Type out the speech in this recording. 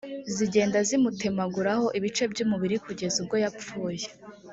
zigenda zimutemaguraho ibice by umubiri kugeza ubwo yapfuye